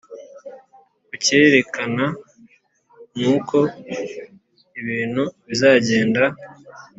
kukerekana nuko ibintu bizagenda